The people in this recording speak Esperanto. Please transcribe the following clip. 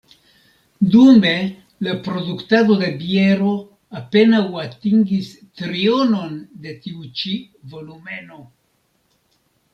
Dume, la produktado de biero apenaŭ atingis trionon de tiu ĉi volumeno.